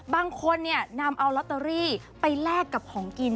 บางคนนำเอาลอตเตอรี่ไปแลกกับของกิน